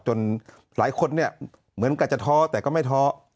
หลายคนเนี่ยเหมือนกับจะท้อแต่ก็ไม่ท้อ